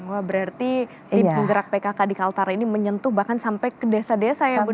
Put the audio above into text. wah berarti tim gerak pkk di kaltara ini menyentuh bahkan sampai ke desa desa ya bu